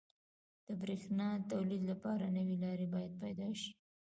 • د برېښنا د تولید لپاره نوي لارې باید پیدا شي.